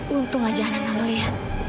untung aja anak gak melihat